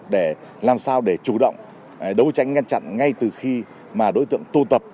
để làm sao để chủ động đấu tranh ngăn chặn ngay từ khi mà đối tượng tu tập